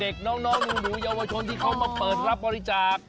เด็กน้องหนูเยาวชนที่เขามาเปิดรับบริจาค